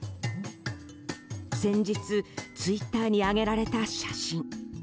先日ツイッターに上げられた写真。